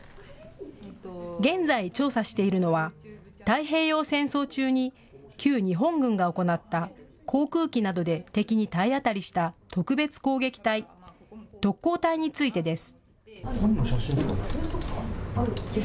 現在調査しているのは太平洋戦争中に旧日本軍が行った航空機などで敵に体当たりした特別攻撃隊、特攻隊についてです。